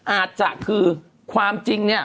อาจจะคือความจริงเนี่ย